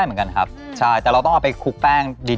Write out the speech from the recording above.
มันจะตั้งห้อตั้งอะไรอย่างนี้